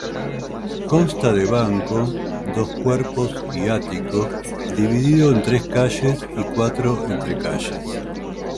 Consta de banco, dos cuerpos y ático, dividido en tres calles y cuatro entrecalles.